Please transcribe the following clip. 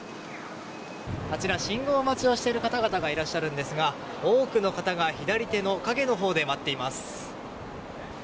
あちら、信号待ちをしている方々がいらっしゃいますが多くの方が左手の影のほうで待っています。